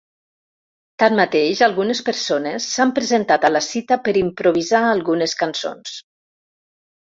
Tanmateix, algunes persones, s’han presentat a la cita per improvisar algunes cançons.